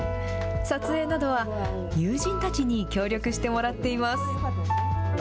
撮影などは友人たちに協力してもらっています。